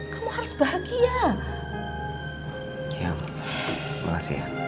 kamu harus bahagia